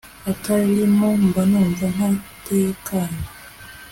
atarimo mba numva ntatekanye